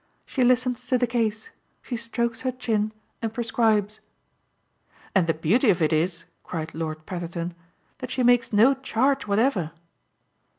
She listens to the case, she strokes her chin and prescribes " "And the beauty of it is," cried Lord Petherton, "that she makes no charge whatever!"